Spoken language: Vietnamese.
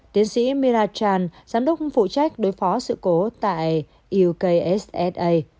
tiến sĩ mira chan giám đốc phụ trách đối phó sự cố tại ukssa